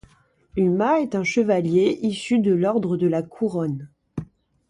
Huma est un chevalier issu de l'Ordre de la Couronne.